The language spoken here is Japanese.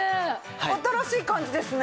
新しい感じですね。